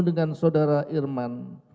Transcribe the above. dengan saudara irman